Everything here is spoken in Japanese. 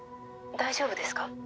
大丈夫ですか？